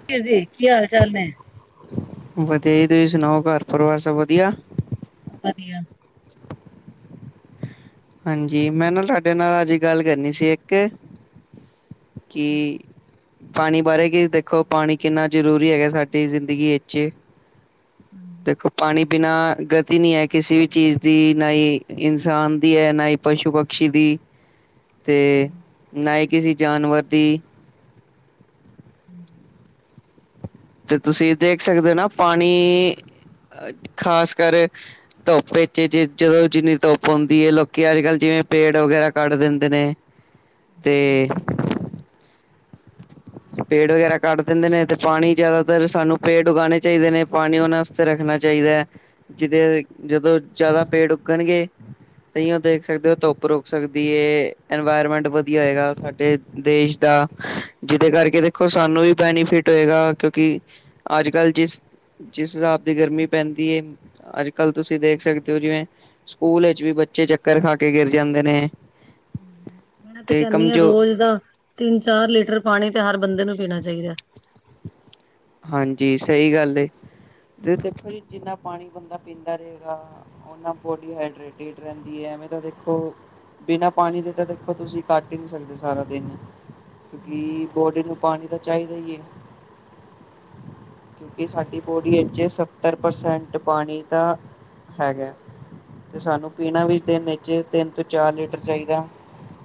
ਮੈਂ ਕਿਹਾ ਜੀ, ਕੀ ਹਾਲ-ਚਾਲ ਨੇ? ਵਧੀਆ ਜੀ ਤੁਸੀਂ ਸੁਣਾਓ ਘਰ ਪਰਿਵਾਰ ਸਭ ਵਧਿਆ? ਵਧੀਆ, ਹਾਂਜੀ ਮੈਂ ਨਾ ਤੁਹਾਡੇ ਨਾਲ ਅੱਜ ਗੱਲ ਕਰਨੀ ਸੀ ਇੱਕ, ਕੀ ਪਾਣੀ ਬਾਰੇ ਕਿ ਦੇਖੋ ਪਾਣੀ ਕਿੰਨਾ ਜ਼ਰੂਰੀ ਹੈਗਾ ਸਾਡੀ ਜ਼ਿੰਦਗੀ ਵਿੱਚ ਦੇਖੋ ਪਾਣੀ ਬਿਨਾ ਗਤੀ ਨੀ ਐ ਕਿਸੇ ਵੀ ਚੀਜ਼ ਦੀ ਨਾ ਹੀ ਇਨਸਾਨ ਦੀ ਹੈ ਨਾ ਈ ਪਸ਼ੂ ਪਕਸ਼ੀ ਦੀ ਤੇ ਨਾ ਹੀ ਕਿਸੇ ਜਾਨਵਰ ਦੀ [inaudible] ਜੇ ਤੁਸੀਂ ਦੇਖ ਸਕਦੇ ਹੋ ਨਾ ਪਾਣੀ, ਖ਼ਾਸ ਕਰ ਧੁੱਪੇ ਚ ਜੇ ਜਦੋਂ ਜਿੰਨੀ ਧੁੱਪ ਆਦੀ ਐ ਲੋਕੀ ਅੱਜ ਕੱਲ੍ਹ ਜਿਵੇਂ ਪੇੜ ਵਗੈਰਾ ਕੱਢ ਦਿੰਦੇ ਨੇ। [inaudible] ਤੇ ਪੇੜ ਵਗੈਰਾ ਕੱਟ ਦਿੰਦੇ ਨੇ ਤੇ ਪਾਣੀ ਜ਼ਿਆਦਾਤਰ ਸਾਨੂੰ ਪੇੜ ਉਗਾਣੇ ਚਾਹੀਦੇ ਨੇ ਪਾਣੀ ਉਹਨਾਂ ਵਾਸਤੇ ਰੱਖਣਾ ਚਾਹੀਦਾ ਐ। ਜਿਦੇ ਜਦੋਂ ਜ਼ਿਆਦਾ ਪੇੜ ਉੱਗਣਗੇ। ਤਈਓ ਦੇਖ ਸਕਦੇ ਔ ਧੁੱਪ ਰੁਕ ਸਕਦੀ ਏ ਇਨਵਾਇਰਮੈਂਟ ਵਧੀਆ ਹੋਏਗਾ ਸਾਡੇ ਦੇਸ਼ ਦਾ, ਜਿਹਦੇ ਕਰਕੇ ਦੇਖੋ ਸਾਨੂੰ ਵੀ ਬੈਨੀਫਿਟ ਹੋਏਗਾ ਕਿਉਂਕਿ ਕਿ ਅੱਜ ਕੱਲ੍ਹ ਜਿਸ ਜਿਸ ਹਿਸਾਬ ਦੀ ਗਰਮੀ ਪੈਂਦੀ ਐ ਅੱਜ ਕੱਲ੍ਹ ਤੁਸੀਂ ਦੇਖ ਸਕਦੇ ਹੋ ਜਿਵੇਂ ਸਕੂਲ ਵਿੱਚ ਵੀ ਬੱਚੇ ਚੱਕਰ ਖਾ ਕੇ ਗਿਰ ਜਾਂਦੇ ਨੇ। ਮੈਂ ਤੇ ਕਹਿਨੀ ਆ ਰੋਜ਼ ਦਾ ਤਿੰਨ-ਚਾਰ ਲੀਟਰ ਪਾਣੀ ਤੇ ਹਰ ਬੰਦੇ ਨੂੰ ਪੀਣਾ ਚਾਹੀਦਾ। ਹਾਂਜੀ ਸਹੀ ਗੱਲ ਏ, ਤੇ ਦੇਖੋ ਜੀ ਜਿੰਨਾ ਪਾਣੀ ਬੰਦਾ ਪੀਂਦਾ ਰਹੇਗਾ। ਉਹਨਾਂ ਬੋਡੀ ਹਾਈਡਰੇਟਿੰਗ ਰਹਿੰਦੀ ਐ ਐਵੇਂ ਤਾਂ ਦੇਖੋ। ਬਿਨਾਂ ਪਾਣੀ ਦੇ ਤਾਂ ਦੇਖੋ ਤੁਸੀਂ ਕੱਟ ਈ ਨੀ ਸਕਦੇ ਸਾਰਾ ਦਿਨ ਹਾਂਜੀ ਜੀ ਬੋਡੀ ਨੂੰ ਪਾਣੀ ਤਾਂ ਚਾਹੀਦੀ ਏ। ਕਿ ਸਾਡੀ ਬੋਡੀ ਵਿੱਚ ਸੱਤਰ ਪਰਸੈਂਟ ਪਾਣੀ ਤਾਂ ਹੈਗਾ। ਤੇ ਹਾਂਜੀ ਸਾਨੂੰ ਪੀਣਾ ਵੀ ਦਿਨ ਚ ਤਿੰਨ ਤੋਂ ਚਾਰ ਲੀਟਰ ਚਾਹੀਦਾ।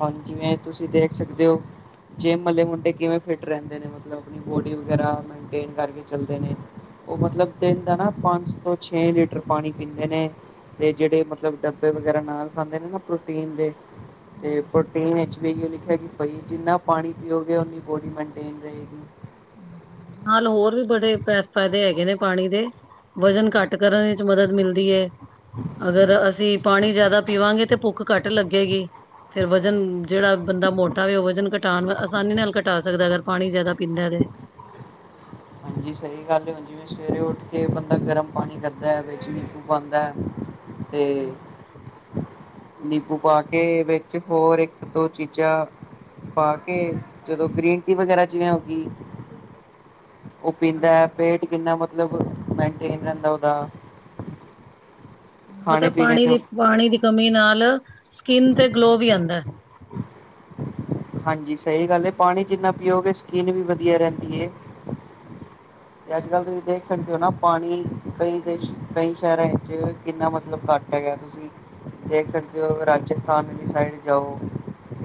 ਹੁਣ ਜਿਵੇਂ ਤੁਸੀਂ ਦੇਖ ਸਕਦੇ ਔ। ਜਿੰਮ ਆਲੇ ਮੁੰਡੇ ਕਿਵੇਂ ਫਿਟ ਰਹਿੰਦੇ ਨੇ ਮਤਲਬ ਆਪਣੀ ਬੋਡੀ ਵਗੈਰਾ ਮਨਟੇਨ ਕਰਕੇ ਚੱਲਦੇ ਨੇ। ਉਹ ਮਤਲਬ ਦਿਨ ਦਾ ਨਾ ਪੰਜ ਤੋਂ ਛੇ ਲੀਟਰ ਪਾਣੀ ਪੀਂਦੇ ਨੇ। ਤੇ ਜਿਹੜੇ ਮਤਲਬ ਡੱਬੇ ਵਗੈਰਾ ਨਾਲ ਖਾਂਦੇ ਨੇ ਨਾ ਪ੍ਰੋਟੀਨ ਦੇ, ਤੇ ਪ੍ਰੋਟੀਨ ਵਿਚ ਵੀ ਲਿਖਿਆ ਕਿ ਬਾਈ ਜਿੰਨਾ ਪਾਣੀ ਪੀਓਗੇ ਓਨੀ ਬੋਡੀ ਮਨਟੇਨ [inaudible] ਨਾਲ ਹੋਰ ਵੀ ਬੜੇ ਪੈ ਫੈਦੇ ਹੈਗੇ ਨੇ ਪਾਣੀ ਦੇ, ਵਜ਼ਨ ਘੱਟ ਕਰਨ ਇਚ ਮਦਦ ਮਿਲ ਦੀ ਐ। ਅਗਰ ਅਸੀ ਪਾਣੀ ਜਾਦਾ ਪੀਵਾਂਗੇ ਤੇ ਭੁੱਖ ਘੱਟ ਲੱਗੇਗੀ। ਫੇਰ ਵਜ਼ਨ ਜੇੜਾ ਬੰਦਾ ਮੋਟਾ ਵੇ ਓ ਵਜ਼ਨ ਘੱਟ ਆਸਾਨੀ ਨਾਲ ਘਟਾ ਸਕਦਾ ਐ ਅਗਰ ਪਾਣੀ ਜਾਦਾ ਪੀਂਦਾ ਐ ਤੇ [inaudible] ਹਾਂਜੀ, ਸਈ ਗੱਲ ਏ ਉਂਜ ਜਿਵੇਂ ਸਵੇਰੇ ਉੱਠ ਕੇ ਬੰਦਾ ਗਰਮ ਪਾਣੀ ਕਰਦਾ ਐ ਵਿੱਚ ਨੀਂਬੂ ਪਾਂਦਾ ਐ। ਤੇ ਹਾਂਜੀ ਨਿੰਬੂ ਪਾ ਕੇ ਵਿੱਚ ਹੋਰ ਏਕ ਦੋ ਚੀਜਾਂ ਪਾ ਕੇ ਜਦੋਂ ਗ੍ਰੀਨ ਟੀ ਵਗੈਰਾ ਚ ਜਿਵੇਂ ਕਿ ਓ ਪੀਂਦਾ ਹਾਂਜੀ ਐ। ਪੇਟ ਕਿੰਨਾ ਮਤਲਬ ਮੈਂਟੇਨ ਰੈਂਦੈ ਓਦਾ। ਮਤਲਬ ਪੀਣੇ ਪਾਣੀ ਤੇ ਦੀ ਪਾਣੀ ਦੀ ਕਮੀ ਨਾਲ ਸਕਿਨ ਤੇ ਗਲੋ ਵੀ ਆਂਦਾ ਐ। ਹਾਂਜੀ, ਸਈ ਗੱਲ ਏ, ਪਾਣੀ ਜਿੰਨਾ ਪੀਓਗੇ ਸਕਿਨ ਵੀ ਵਧੀਆ ਰੈਂਦੀ ਏ। ਤੇ ਅੱਜ ਕੱਲ੍ ਤੁਸੀ ਦੇਖ ਸਕਦੇ ਓ ਨਾ ਪਾਣੀ ਕਈ ਦੇਸ਼ ਕਈ ਸੈ਼ਰਾਂ ਏਚ ਕਿੰਨਾ ਮਤਲਬ ਘੱਟ ਮੈਂ ਕੈ ਤੁਸੀ ਦੇਖ ਸਕਦੇ ਓ ਰਾਜਸਥਾਨ ਵਲੀ ਸਾਈਡ ਜਾਓ।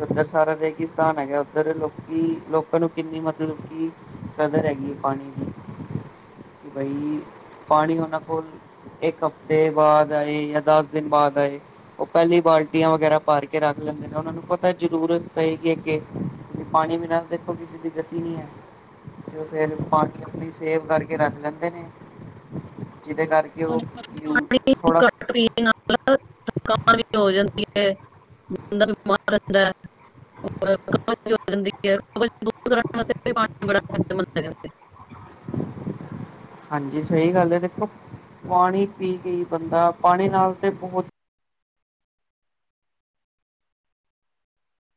ਓਧਰ ਸਾਰਾ ਰੇਗਿਸਤਾਨ ਹੈਗਾ ਐ ਓਧਰ ਲੋਕੀ ਲੋਕਾਂ ਨੂੰ ਕਿੰਨੀ ਮਤਲਬ ਕਿ ਕਦਰ ਹੈਗੀ ਏ ਪਾਣੀ ਦੀ। ਬਈ ਪਾਣੀ ਓਨਾ ਕੋਲ ਏਕ ਹਫ਼ਤੇ ਬਾਦ ਆਏ ਯਾਂ ਦਸ ਦਿਨ ਬਾਦ ਆਏ। ਓ ਪੈਲੇ ਈ ਬਾਲਟੀਆਂ ਵਗੈਰਾ ਭਰ ਕੇ ਰੱਖ ਲੈਂਦੇ ਨੇ, ਓਨਾਂ ਨੂੰ ਪਤਾ ਐ ਜਰੂਰਤ ਪਏਗੀ ਅੱਗੇ। ਪਾਣੀ ਬਿਨਾਂ ਦੇਖੋ ਕਿਸੇ ਦੀ ਗਤੀ ਨੀ ਹੈ ਤੇ ਓ ਫੇਰ ਪਾਣੀ ਆਪਣੀ ਸੇਵ ਕਰਕੇ ਰੱਖ ਲੈਂਦੇ ਨੇ ਜਿਦੇ ਕਰਕੇ ਓ ਤੁਹਾਨੂੰ ਪਤਾ ਯੂ ਪਾਣੀ ਥੋੜਾ [unintelligible] ਹੋ ਜਾਂਦੀ ਐ ਬੰਦਾ ਬਮਾਰ ਰੈਂਦਾ ਐ। [unintelligible] [unintelligible] [unintelligible] ਹਾਂਜੀ, ਸਈ ਗੱਲ ਐ ਦੇਖੋ, ਪਾਣੀ ਪੀ ਕੇ ਈ ਬੰਦਾ ਪਾਣੀ ਨਾਲ ਤੇ ਬੋਹਤ [inaudible]